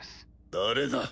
誰だ？